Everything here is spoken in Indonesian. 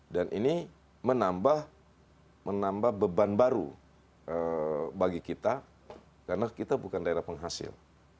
dan ini menambah beban baru bagi kita karena kita bukan daerah penghasil